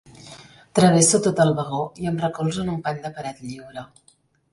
Travesso tot el vagó i em recolzo en un pany de paret lliure.